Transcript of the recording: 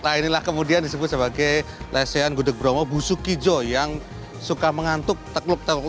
nah inilah kemudian disebut sebagai lesehan gudeg bromo busukijo yang suka mengantuk tekluk teluk